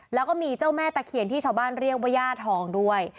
แล้วก็มีเจ้าแม่ตะเคียนที่ชาวบ้านเรียกว่าย่าทองด้วย